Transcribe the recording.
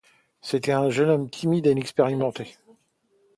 C'était un jeune homme timide et inexpérimenté.